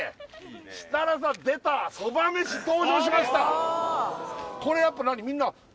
設楽さん出たそばめし登場しました